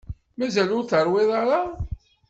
Mazal ur teṛwiḍ ara?